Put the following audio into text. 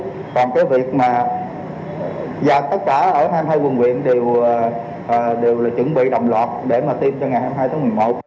còn cái việc mà dạ tất cả ở hai mươi hai quần viện đều là chuẩn bị đồng loạt để mà tiêm cho ngày hai mươi hai một mươi một